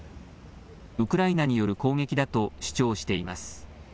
ウクライナによる攻撃だと主張しています。